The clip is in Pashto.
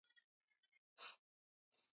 د موبایل ساعت په سمه توګه تنظیم شوی نه و.